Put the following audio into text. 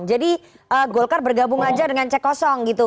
jadi golkar bergabung aja dengan cek kosong gitu